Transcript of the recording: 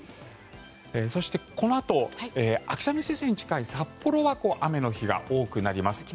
そして、このあと秋雨前線に近い札幌は雨の日が多くなります。